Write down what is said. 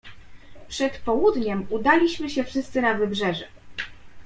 "Przed południem udaliśmy się wszyscy na wybrzeże."